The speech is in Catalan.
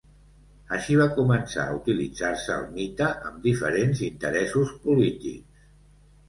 Així va començar a utilitzar-se el mite amb diferents interessos polítics.